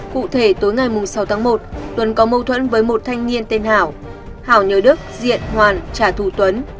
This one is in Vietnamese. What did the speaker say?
cụ thể tối ngày sáu tháng một tuấn có mâu thuẫn với một thanh niên tên hảo hảo nhớ đức diện hoàn trả thủ tuấn